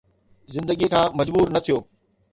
زندگيءَ کان مجبور نه ٿيو.